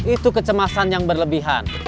itu kecemasan yang berlebihan